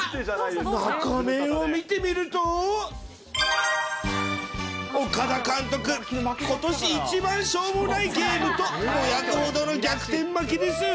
中面を見てみると、岡田監督、ことし一番しょうもないゲームと、ぼやくほどの逆転負けです。